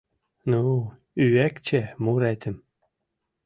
«Ну, Ӱэкче, муретым